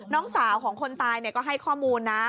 น้องสาวของคนตายก็ให้ข้อมูลนะ